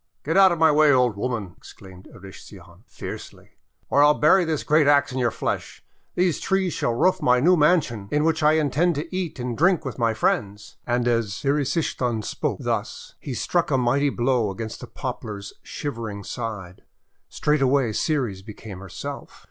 ;*Get out of my way, old woman!" exclaimed Erysichthon, fiercely, "or I'll bury this great axe in your flesh! These frees shall roof my new mansion in which I intend to eat and drink with my friends." ERYSICHTHON THE HUNGRY 325 i And as Erysichthon spoke thus, he struck a mighty blow against the Poplar's shivering side. Straightway Ceres became herself.